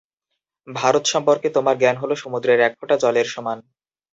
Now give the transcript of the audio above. ভারত সম্পর্কে তোমার জ্ঞান হলো সমুদ্রের এক ফোঁটা জলের সমান।